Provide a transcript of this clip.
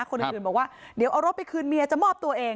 คนอื่นบอกว่าเดี๋ยวเอารถไปคืนเมียจะมอบตัวเอง